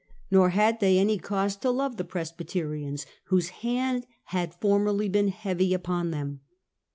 Nor had they any cause to love the Presbyterians, whose hand had formerly been heavy upon them.